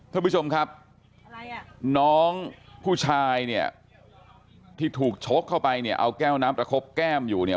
ท่านผู้ชมครับน้องผู้ชายเนี่ยที่ถูกชกเข้าไปเนี่ยเอาแก้วน้ำประคบแก้มอยู่เนี่ย